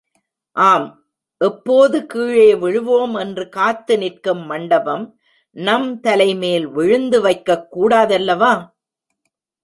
ஆம், எப்போது கீழே விழுவோம் என்று காத்து நிற்கும் மண்டபம் நம் தலைமேல் விழுந்து வைக்கக் கூடாதல்லவா?